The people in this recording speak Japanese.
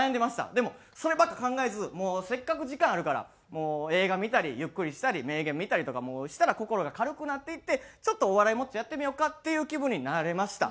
でもそればっか考えずせっかく時間あるから映画見たりゆっくりしたり名言見たりとかもしたら心が軽くなっていってちょっとお笑いもうちょいやってみようかっていう気分になれました。